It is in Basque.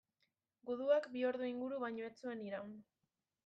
Guduak, bi ordu inguru baino ez zuen iraun.